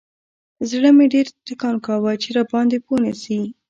زړه مې ډېر ټکان کاوه چې راباندې پوه نسي.